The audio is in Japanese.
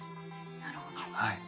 なるほど。